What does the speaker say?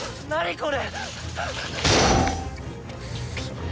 これ！